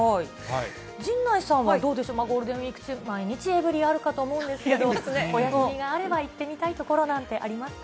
陣内さんはどうでしょう、ゴールデンウィーク中、毎日、エブリィあるかと思うんですけど、お休みがあれば行ってみたい所なんてありますか？